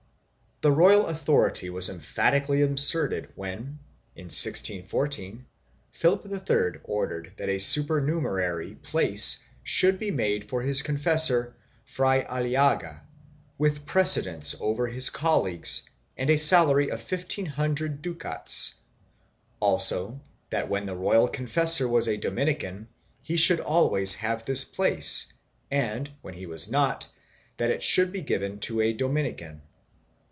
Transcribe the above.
The royal authority was emphatically asserted when, in 1614, Philip III ordered that a supernumerary place should be made for his confessor Fray Aliaga, with precedence over his colleagues and a salary of fifteen hundred ducats; also that when the royal confessor was a Dominican he should always have this place .and, when he was not, that it should be given to a Dominican.